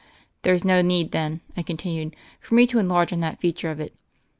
There's no need, then," I continued, "for me to enlarge on that feature of it.